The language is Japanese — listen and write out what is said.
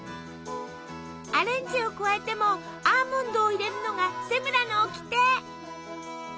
アレンジを加えてもアーモンドを入れるのがセムラのおきて！